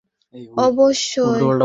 অবশ্যই করেছিলাম সত্যি?